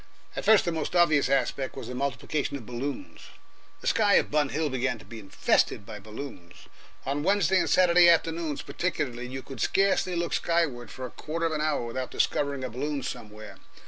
At first the most obvious aspect was the multiplication of balloons. The sky of Bun Hill began to be infested by balloons. On Wednesday and Saturday afternoons particularly you could scarcely look skyward for a quarter of an hour without discovering a balloon somewhere.